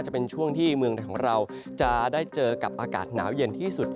จะเป็นช่วงที่เมืองไทยของเราจะได้เจอกับอากาศหนาวเย็นที่สุด